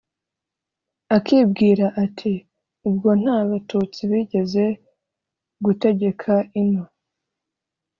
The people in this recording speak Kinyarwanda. akibwira ati: “ubwo nta batutsi bigeze gutegeka ino,